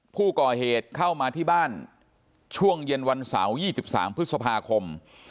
ผู้ก่อเหตุเข้ามาที่บ้านช่วงเย็นวันเสาร์๒๓พฤษภาคม